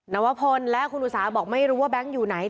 นวพลและคุณอุตสาหอกไม่รู้ว่าแบงค์อยู่ไหน